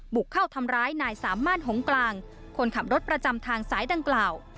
บุกเข้าทำร้ายนายสามารถหงกลางคนขับรถประจำทางสายดังกล่าว